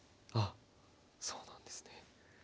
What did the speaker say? あっそうなんですね。